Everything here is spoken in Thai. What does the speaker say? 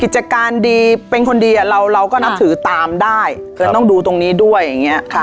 กิจการดีเป็นคนดีอะเราเราก็นับถือตามได้เอิญต้องดูตรงนี้ด้วยอย่างเงี้ยค่ะ